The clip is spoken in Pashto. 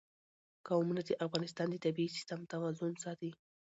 قومونه د افغانستان د طبعي سیسټم توازن ساتي.